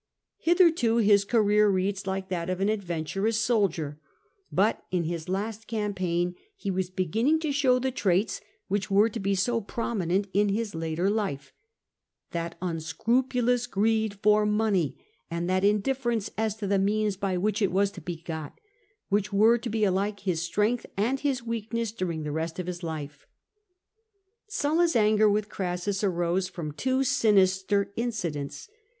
Hitherto his career reads like that of an adventurous soldier, but in his last campaign he was beginning to show the traits which were to be so prominent in his later life — that unscrupulous greed for money and that indiffer ence as to the means by which it was to be got, which were to be alike his strength and his weakness during the rest of his life. Sulla's anger with Crassus arose from two sinister incidents.